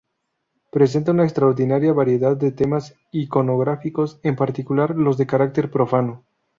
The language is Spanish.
Presenta una extraordinaria variedad de temas iconográficos, en particular los de carácter profano.